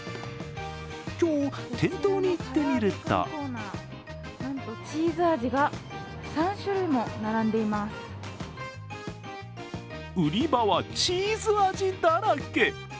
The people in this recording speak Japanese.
今日、店頭に行ってみると売り場はチーズ味だらけ。